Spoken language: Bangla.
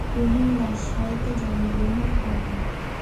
তুহিন রাজশাহীতে জন্মগ্রহণ করেন।